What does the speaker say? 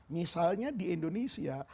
misalnya di indonesia